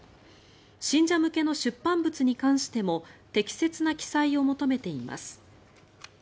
信者向けの出版物に関しても適切な記載を求めています。